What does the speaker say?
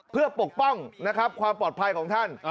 เพื่อปกป้องนะครับความปลอดภัยของท่าน